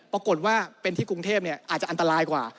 ปรากฏว่าเป็นที่กรุงเทพอาจจะอันตรายกว่า